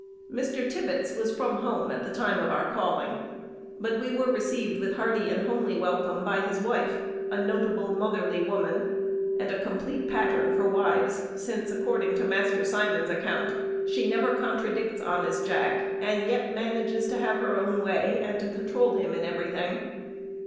Mr. Tibbets was from home at the time of our calling, but we were received with hearty and homely welcome by his wife a notable, motherly woman, and a complete pattern for wives, since, according to Master Simon's account, she never contradicts honest Jack, and yet manages to have her own way, and to control him in everything.